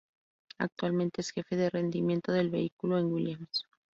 Actualmente es jefe de rendimiento del vehículo en Williams.